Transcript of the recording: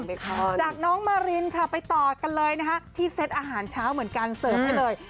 ไปค่ะจากน้องมารินค่ะไปต่อกันเลยนะคะที่เซตอาหารเช้าเหมือนกันเสิร์ฟให้เลย